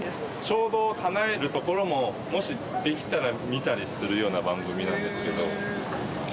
衝動をかなえるところももしできたら見たりするような番組なんですけど。